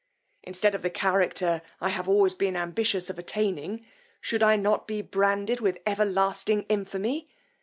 Instead of the character I have always been ambitious of attaining, should I not be branded with everlasting infamy!